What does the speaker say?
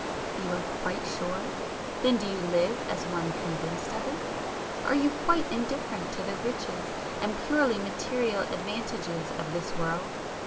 You are quite sure? Then, do you live as one convinced of it? Are you quite indifferent to the riches and purely material advantages of this world?